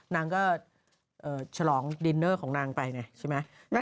นางก็ฉลองดินเนอร์ของนางไปไงใช่ไหม